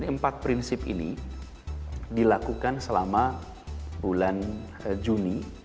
jadi empat prinsip ini dilakukan selama bulan juni